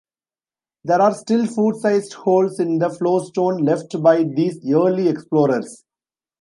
There are still foot-sized holes in the flowstone left by these early explorers.